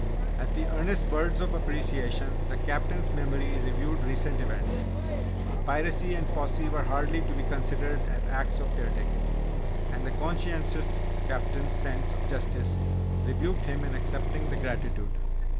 At the earnest words of appreciation the Captain's memory reviewed recent events piracy and posse were hardly to be considered as acts of care taking, and the conscientious Captain's sense of justice rebuked him in accepting the gratitude.